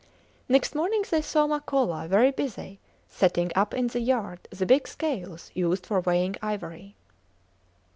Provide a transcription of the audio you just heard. Next morning they saw Makola very busy setting up in the yard the big scales used for weighing ivory.